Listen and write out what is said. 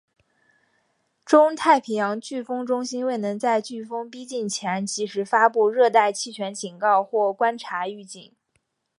中太平洋飓风中心未能在飓风逼近前及时发布热带气旋警告或观察预警。